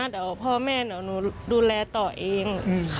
เดี๋ยวเอาพ่อแม่ดูแลต่อเอง